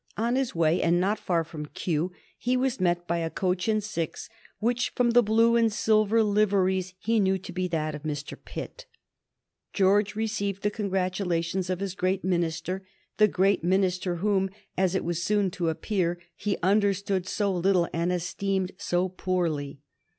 On his way, and not far from Kew, he was met by a coach and six, which, from the blue and silver liveries, he knew to be that of Mr. Pitt. George received the congratulations of his great minister the great Minister whom, as it was soon to appear, he understood so little and esteemed so poorly.